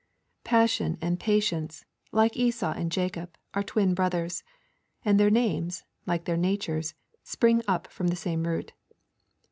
Passion and Patience, like Esau and Jacob, are twin brothers. And their names, like their natures, spring up from the same root.